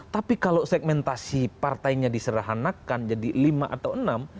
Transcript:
tapi kalau segmentasi partainya diserahanakan jadi lima atau enam